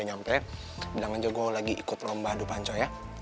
udah nyampe bilang aja gue lagi ikut lomba adu panco ya